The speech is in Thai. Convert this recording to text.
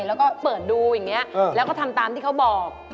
แล้วก็เปิดดูอย่างนี้แล้วก็ทำตามที่เขาบอก